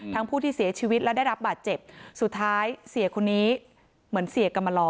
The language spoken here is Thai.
ผู้ที่เสียชีวิตและได้รับบาดเจ็บสุดท้ายเสียคนนี้เหมือนเสียกรรมลอ